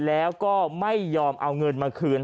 แล้วก็ไม่ยอมเอาเงินมาคืน